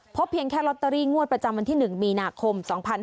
เพราะเพียงแค่รัฐนางวดประจำวันที่๑มีนาคม๒๕๖๔